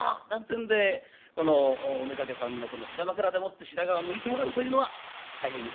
んでこのお妾さんの膝枕でもって白髪を抜いてもらうというのは大変にいい